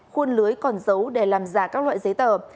khuôn lưới còn dấu để làm giả các loại giấy tờ